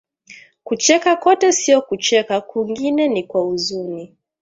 Kucheka kote sio kucheka kungine nikwa uzuni